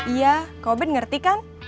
iya kau bad ngerti kan